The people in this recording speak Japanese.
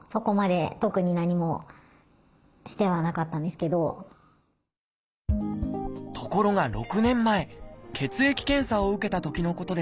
するとところが６年前血液検査を受けたときのことでした。